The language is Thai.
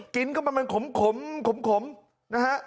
กินก็มันขมนะฮะ